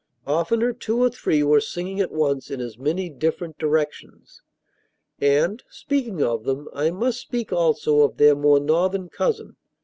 Oftener two or three were singing at once in as many different directions. And, speaking of them, I must speak also of their more northern cousin.